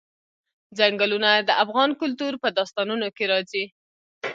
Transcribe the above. ځنګلونه د افغان کلتور په داستانونو کې راځي.